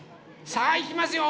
さあいきますよ。